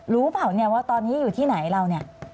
รู้เปล่าว่าตอนนี้อยู่ที่ไหนเราเนี่ย